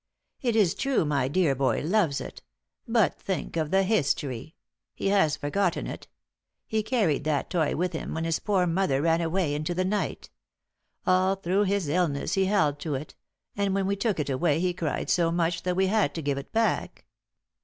It is true my dear boy loves it. But think of the history! He has forgotten it. He carried that toy with him when his poor mother ran away into the night. All through his illness he held to it, and when we took it away he cried so much that we had to give it back.